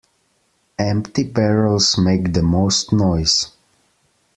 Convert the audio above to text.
Empty barrels make the most noise.